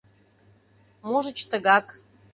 Можыч, тыгак.